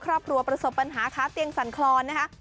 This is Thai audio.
ครอบครัวประสบปัญหาค้าเตียงสั่นคลอนนะคะ